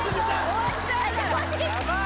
終わっちゃうから！